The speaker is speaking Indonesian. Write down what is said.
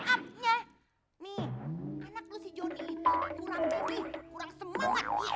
saya mau nemenin kak mas johnny